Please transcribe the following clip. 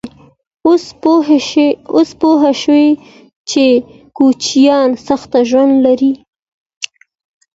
_اوس پوه شوې چې کوچيان سخت ژوند لري؟